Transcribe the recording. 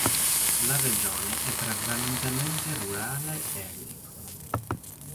La regione è prevalentemente rurale e agricola.